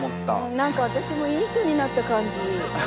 何かわたしもいい人になった感じ。